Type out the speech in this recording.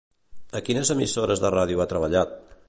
A quines emissores de ràdio ha treballat?